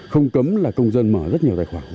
không cấm là công dân mở rất nhiều tài khoản